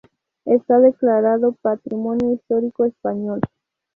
Esta declarado patrimonio histórico español.